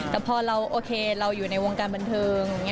แต่พอเราโอเคเราอยู่ในวงการบันเทิง